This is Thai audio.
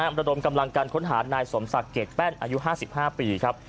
ตามระดมกำลังการค้นหาดนายสมศักดิ์เกร็ดแป้นอายุห้าสิบห้าปีครับ